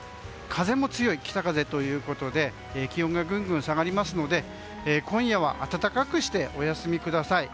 風も強い、北風ということで気温がぐんぐん下がりますので今夜は暖かくしてお休みください。